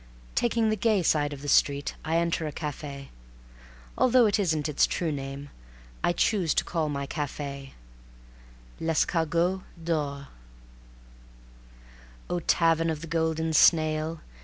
Taking the gay side of the street, I enter a cafe. Although it isn't its true name, I choose to call my cafe L'Escargot D'Or O Tavern of the Golden Snail!